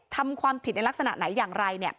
ทำความผิดในลักษณะไหนอย่างไร